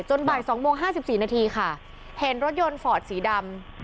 จนบ่ายสองโมงห้าสิบสี่นาทีค่ะเห็นรถยนต์ฟอร์ตสีดำ